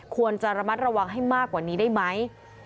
ควรจะระมัดระวังให้มากกว่านี้ได้ไหม